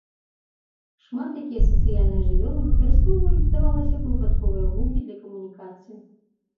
Шмат якія сацыяльныя жывёлы выкарыстоўваюць, здавалася б, выпадковыя гукі для камунікацыі.